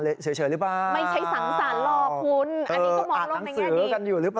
ไม่ใช่สั่งสานหรอก